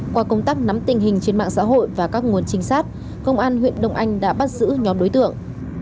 qua công tác nắm tình hình trên mạng xã hội và các nguồn trinh sát công an huyện đông anh đã bắt giữ nhóm đối tượng